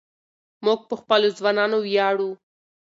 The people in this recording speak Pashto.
موږ په خپلو ځوانانو ویاړو.